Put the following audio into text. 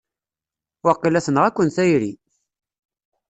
Waqila tenɣa-ken tayri!